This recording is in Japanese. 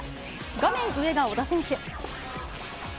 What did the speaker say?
画面上が小田選手。